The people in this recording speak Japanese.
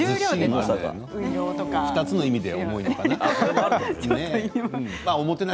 ２つの意味で重いのかな？